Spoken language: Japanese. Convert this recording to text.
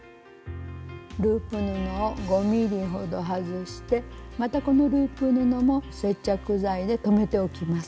ループ布を５ｍｍほど外してまたこのループ布も接着剤で留めておきます。